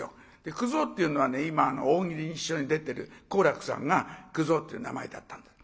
九蔵っていうのは今大喜利に一緒に出てる好楽さんが九蔵っていう名前だったんだ。